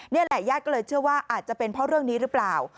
นี่แหละญาติก็เลยเชื่อว่าอาจจะเป็นเพราะเรื่องนี้หรือเปล่า